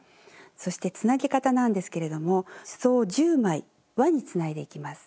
そしてつなぎ方なんですけれどもすそを１０枚輪につないでいきます。